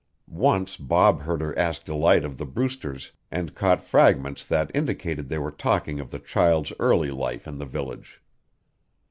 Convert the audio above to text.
Once Bob heard her ask Delight of the Brewsters and caught fragments that indicated they were talking of the child's early life in the village.